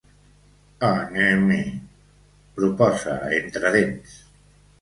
Anem-hi? —proposa entre dents.